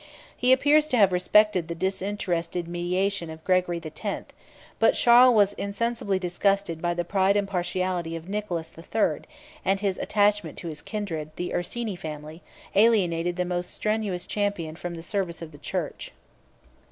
He appears to have respected the disinterested mediation of Gregory the Tenth; but Charles was insensibly disgusted by the pride and partiality of Nicholas the Third; and his attachment to his kindred, the Ursini family, alienated the most strenuous champion from the service of the church.